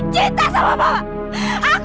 cinta sama bapak